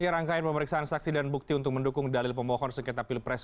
rangkaian pemeriksaan saksi dan bukti untuk mendukung dalil pemohon sengketa pilpres